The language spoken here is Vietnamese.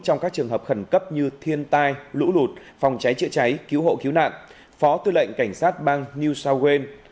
trong các trường hợp khẩn cấp như thiên tai lũ lụt phòng cháy chữa cháy cứu hộ cứu nạn phó tư lệnh cảnh sát bang new south wales